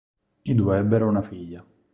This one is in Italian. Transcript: I due ebbero una figlia.